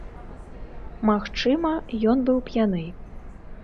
Магчыма, ён быў п'яны.